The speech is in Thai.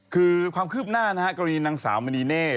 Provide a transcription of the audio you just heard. คือความคืบหน้านะฮะกรณีนางสาวมณีเน่